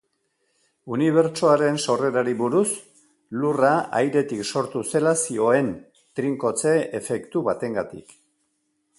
Unibertsoaren sorrerari buruz, lurra airetik sortu zela zioen, trinkotze-efektu batengatik.